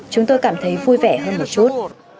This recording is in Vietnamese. chúng tôi cảm thấy vui vẻ hơn một chút